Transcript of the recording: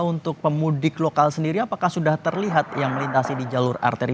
untuk pemudik lokal sendiri apakah sudah terlihat yang melintasi di jalur arteri